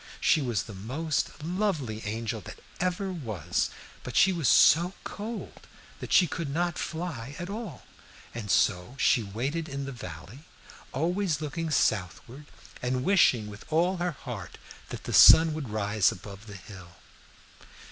She was the most lovely angel that ever was, but she was so cold that she could not fly at all, and so she waited in the valley, always looking southward and wishing with all her heart that the sun would rise above the hill.